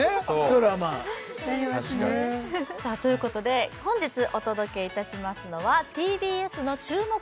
ドラマ確かにさあということで本日お届けいたしますのはＴＢＳの注目